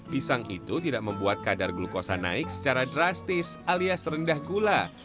pisang itu tidak membuat kadar glukosa naik secara drastis alias rendah gula